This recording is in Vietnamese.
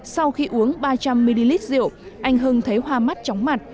sau khi uống ba trăm linh ml rượu anh hưng thấy hoa mắt chóng mặt